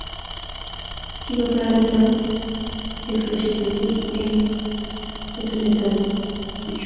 Kikotoret teksosiek mising eng etunet ab uchuni